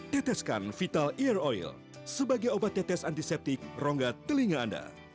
teteskan vital ear oil sebagai obat tetes antiseptik rongga telinga anda